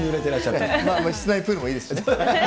室内プールもいいですよね。